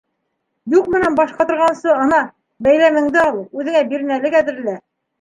Юҡ менән баш ҡатырғансы, ана, бәйләмеңде ал, үҙеңә бирнәлек әҙерлә.